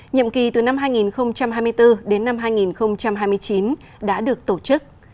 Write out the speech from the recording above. nhiệm kỳ từ năm hai nghìn hai mươi bốn đến năm hai nghìn hai mươi chín đã được tổ chức